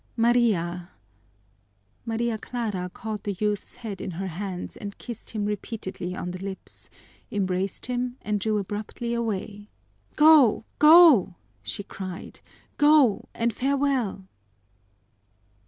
Maria " Maria Clara caught the youth's head in her hands and kissed him repeatedly on the lips, embraced him, and drew abruptly away. "Go, go!" she cried. "Go, and farewell!"